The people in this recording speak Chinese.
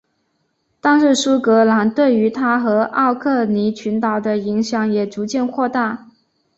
但是苏格兰对于它和奥克尼群岛的影响也逐渐扩大。